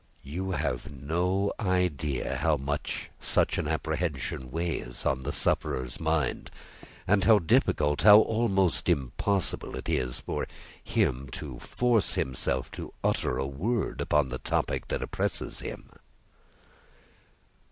"You have no idea how such an apprehension weighs on the sufferer's mind, and how difficult how almost impossible it is, for him to force himself to utter a word upon the topic that oppresses him."